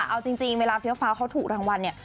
เอาจริงเวลาเฟี้ยวฟ้าเขาถูกรางวัลเนี่ย